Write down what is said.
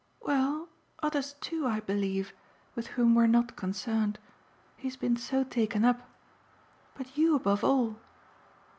"Well, others too, I believe with whom we're not concerned. He has been so taken up. But you above all."